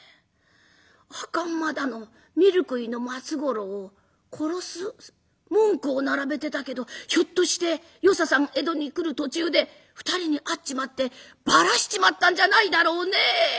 赤馬だのみるくいの松五郎を殺す文句を並べてたけどひょっとして与三さん江戸に来る途中で２人に会っちまってばらしちまったんじゃないだろうねえ」。